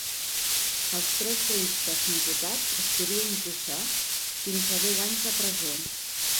Pels tres delictes imputats es podia imposar fins a deu anys de presó.